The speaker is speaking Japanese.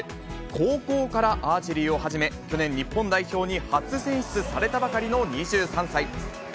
高校からアーチェリーを始め、去年、日本代表に初選出されたばかりの２３歳。